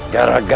gara gara dia